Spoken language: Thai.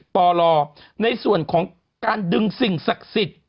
ปลในส่วนของการดึงสิ่งศักดิ์สิทธิ์